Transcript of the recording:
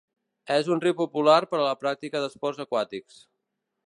És un riu popular per a la pràctica d'esports aquàtics.